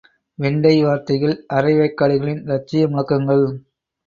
வெண்டை வார்த்தைகள், அரைவேக்காடுகளின் லட்சிய முழக்கங்கள்.